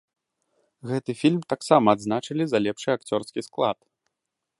Гэты фільм таксама адзначылі за лепшы акцёрскі склад.